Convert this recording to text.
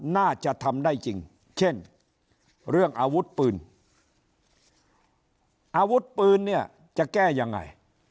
น่าจะทำได้จริงเช่นเรื่องอาวุธปืนอาวุธปืนเนี่ยจะแก้ยังไง